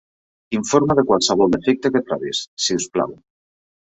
Informa de qualsevol defecte que trobis, si us plau.